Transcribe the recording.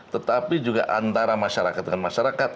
tetapi juga antara masyarakat dengan masyarakat